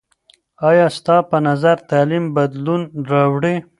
آیا ستا په نظر تعلیم بدلون راوړي؟